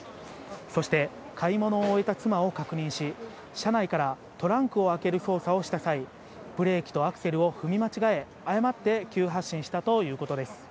そして買い物を終えた妻を確認し、車内からトランクを開ける操作をした際、ブレーキとアクセルを踏み間違え、誤って急発進したということです。